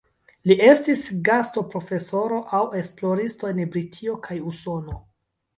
Li estis gastoprofesoro aŭ esploristo en Britio kaj Usono.